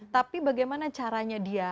tapi bagaimana caranya dia